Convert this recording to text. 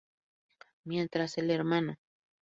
Mientras, el Hno.